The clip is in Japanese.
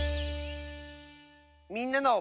「みんなの」。